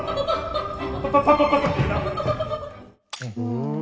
うん。